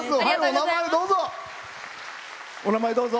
お名前をどうぞ。